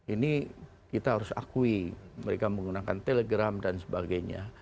ini kita harus akui mereka menggunakan telegram dan sebagainya